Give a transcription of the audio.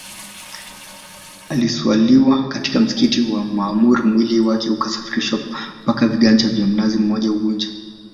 Aliswaliwa katika msikiti wa maamur mwili wake ukasafirishwa mpaka viwanja vya mnazi mmoja unguja